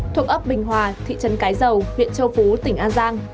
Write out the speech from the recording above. thuộc ấp bình hòa thị trấn cái dầu huyện châu phú tỉnh an giang